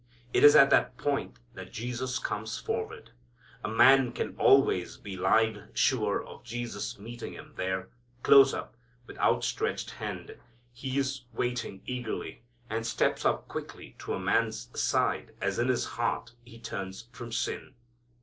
It is at that point that Jesus comes forward. A man can always be live sure of Jesus meeting him there, close up, with outstretched hand. He is waiting eagerly, and steps up quickly to a man's side as in his heart he turns from sin.